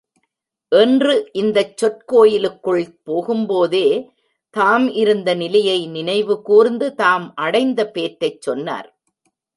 என்று இந்தச் சொற் கோயிலுக்குள் போகும்போதே, தாம் இருந்த நிலையை நினைவு கூர்ந்து, தாம் அடைந்த பேற்றைச் சொன்னார்.